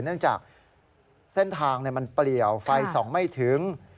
เองจากเส้นทางมันเปรียวไฟ๒ไม่ถึง